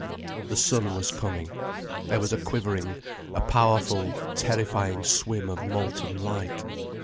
The sun was coming. There was a quivering, a powerful terrifying swim of molten light.